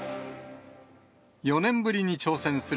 ４年ぶりに挑戦する